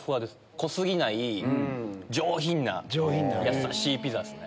濃過ぎない上品なやさしいピザですね。